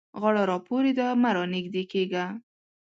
غاړه را پورې ده؛ مه رانږدې کېږه.